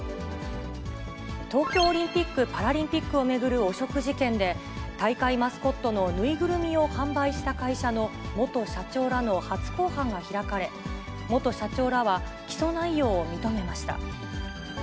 東京オリンピック・パラリンピックを巡る汚職事件で、大会マスコットの縫いぐるみを販売した会社の元社長らの初公判が開かれ、元社長らは起訴内容を認めました。